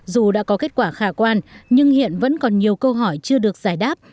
dù đã có kết quả khả quan nhưng hiện vẫn còn nhiều câu hỏi chưa được giải đáp